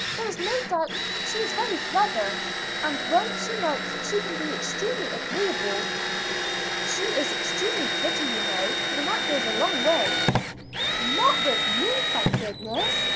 There is no doubt she is very clever, and when she likes she can be extremely agreeable." "She is extremely pretty, you know, and that goes a long way." "Not with me, thank goodness!"